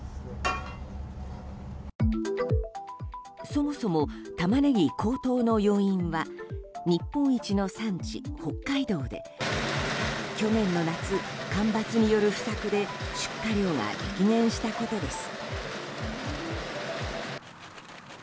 そもそもタマネギ高騰の要因は日本一の産地・北海道で去年の夏、干ばつによる不作で出荷量が激減したことです。